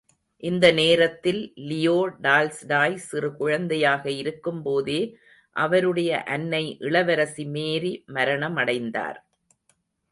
இந்த நேரத்தில் Leo Tolstoy சிறு குழந்தையாக இருக்கும்போதே அவருடைய அன்னை இளவரசி மேரி மரணமடைந்தார்.